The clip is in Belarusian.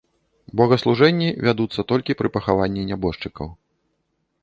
Богаслужэнні вядуцца толькі пры пахаванні нябожчыкаў.